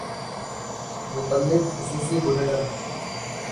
متعلق خصوصی بلیٹن